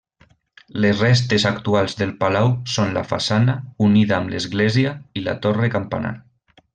Les restes actuals del palau són la façana, unida amb l'església, i la torre campanar.